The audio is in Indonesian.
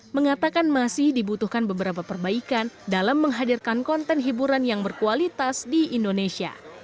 mengatakan masih dibutuhkan beberapa perbaikan dalam menghadirkan konten hiburan yang berkualitas di indonesia